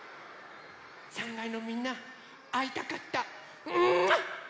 ３かいのみんなあいたかった。